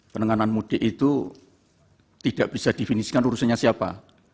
penanganan mudik itu tidak bisa definisikan urusannya siapa